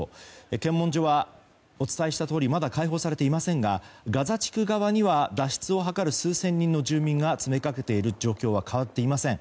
検問所はお伝えしたとおりまだ開放されていませんがガザ地区側には脱出を図る数千人の住民が詰めかけている状況は変わっていません。